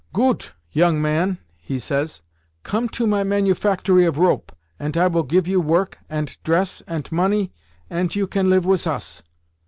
"'Goot, young man!' he says. 'Come to my manufactory of rope, ant I will give you work ant tress ant money, ant you can live wis os.